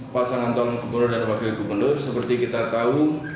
pasangan calon gubernur dan wakil gubernur seperti kita tahu